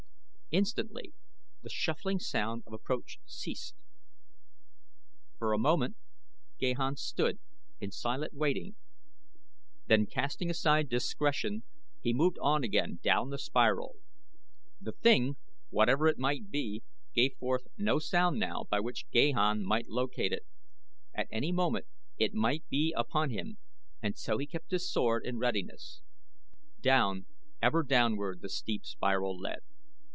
Instantly the shuffling sound of approach ceased. For a moment Gahan stood in silent waiting, then casting aside discretion he moved on again down the spiral. The thing, whatever it might be, gave forth no sound now by which Gahan might locate it. At any moment it might be upon him and so he kept his sword in readiness. Down, ever downward the steep spiral led.